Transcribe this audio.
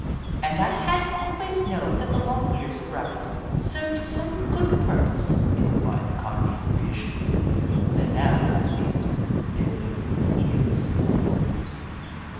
I had always known that the long ears of Rabbits served some good purpose in the wise economy of creation, and now I perceived that they were ears for music.